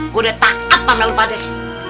gue udah takak pak mel lo pada deh